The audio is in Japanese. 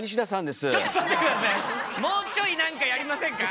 もうちょい何かやりませんか？